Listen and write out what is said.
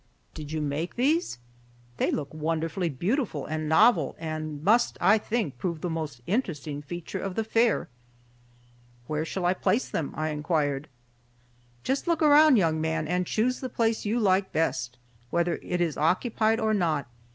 "Did you make these? They look wonderfully beautiful and novel and must, I think, prove the most interesting feature of the fair." "Where shall I place them?" I inquired. "Just look around, young man, and choose the place you like best, whether it is occupied or not.